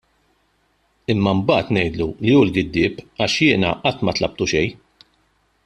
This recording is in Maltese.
Imma mbagħad ngħidlu li hu l-giddieb għax jiena qatt ma tlabtu xejn.